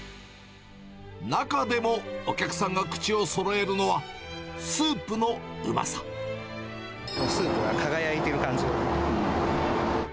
中でもお客さんが口をそろえるのスープが輝いてる感じでね。